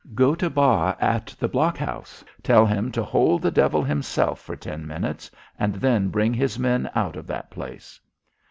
"Go to Bas at the blockhouse. Tell him to hold the devil himself for ten minutes and then bring his men out of that place."